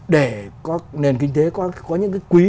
để nền kinh tế có những cái quý